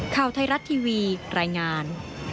ข่าวไทยรัฐทีวีรายงาน